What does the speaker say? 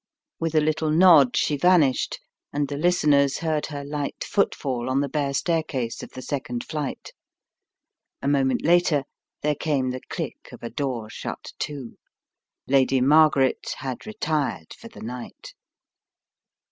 With a little nod she vanished, and the listeners The Cry in the Night Q5 heard her light footfall on the bare staircase of the second flight. A moment later there came the click of a door shut to. Lady Margaret had retired for the night.